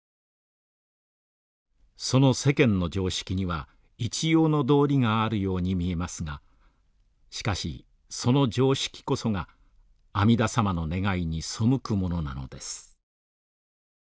「その世間の常識には一応の道理があるように見えますがしかしその常識こそが阿弥陀さまの願いに背くものなのです」。